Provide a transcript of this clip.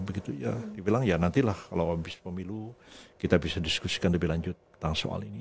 begitu ya dibilang ya nantilah kalau bisa pemilu kita bisa diskusikan lebih lanjut tentang soal ini